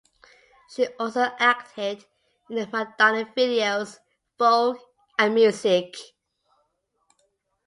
She also acted in the Madonna videos "Vogue" and "Music".